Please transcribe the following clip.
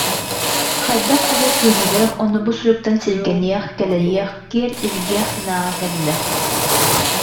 Хайдах эрэ кыыһырыах уонна бу суруктан сиргэниэх, кэлэйиэх, киэр илгиэх санааҕа кэллэ